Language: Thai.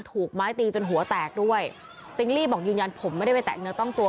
ถูกไม้ตีจนหัวแตกด้วยติ๊งลี่บอกยืนยันผมไม่ได้ไปแตะเนื้อต้องตัว